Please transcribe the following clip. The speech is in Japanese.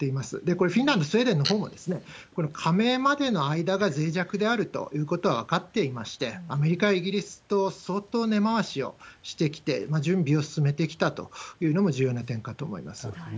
これ、フィンランド、スウェーデンのほうも、加盟までの間がぜい弱であるということは分かっていまして、アメリカやイギリスと相当根回しをしてきて、準備を進めてきたというのも重要な点かと思います。